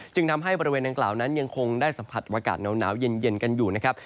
จึงทำให้บริเวณดังกล่าวนั้นยังคงได้สัมผัสอากาศหนาวเย็นกันอยู่นะครับ